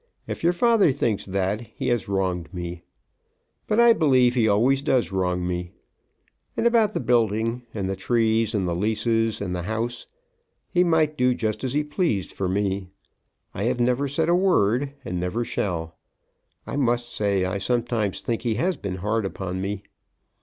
If your father thinks that, he has wronged me. But I believe he always does wrong me. And about the building, and the trees, and the leases, and the house, he might do just as he pleased for me. I have never said a word, and never shall. I must say I sometimes think he has been hard upon me.